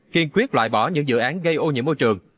kiên quyết loại bỏ những dự án gây ô nhiễm môi trường